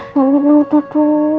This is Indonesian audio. mbak mir nunggu dulu